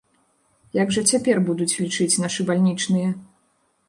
Як жа цяпер будуць лічыць нашы бальнічныя?